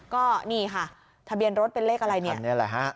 ก็นี่ค่ะทะเบียนรถเป็นเลขอะไรเนี่ยแหละฮะ